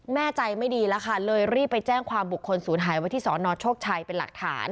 แม่ใจไม่ดีแล้วค่ะเลยรีบไปแจ้งความบุคคลศูนย์หายไว้ที่สนโชคชัยเป็นหลักฐาน